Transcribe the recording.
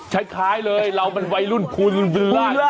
ชัดคล้ายเลยเราเป็นวัยรุ่นภูรา